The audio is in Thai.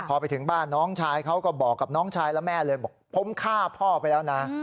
พอไปถึงบ้านน้องชายเขาก็บอกกับน้องชายและแม่เลยบอกผมฆ่าพ่อไปแล้วนะ